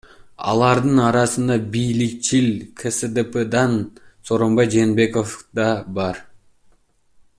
Алардын арасында бийликчил КСДПдан Сооронбай Жээнбеков да бар.